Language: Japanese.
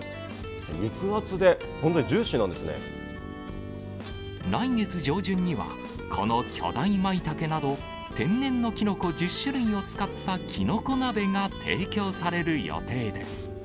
肉厚で、来月上旬には、この巨大マイタケなど天然のキノコ１０種類を使ったキノコ鍋が提供される予定です。